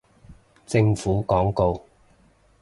政府廣告